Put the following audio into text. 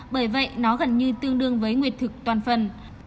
bởi vậy nó gần như tương đương với nguyệt thực toàn phần